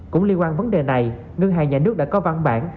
cũng liên quan vấn đề này ngân hàng nhà nước đã có văn bản